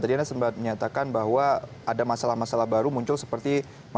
tadi anda sempat menyatakan bahwa ada masalah masalah baru muncul seperti masyarakat yang berpengalaman